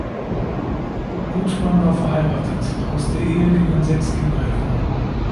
Gutmann war verheiratet; aus der Ehe gingen sechs Kinder hervor.